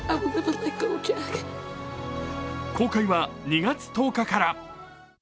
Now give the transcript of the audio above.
公開は２月１０日から。